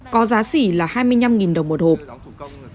có giá xỉ là hai mươi năm đồng cho một cái hộp nhỏ này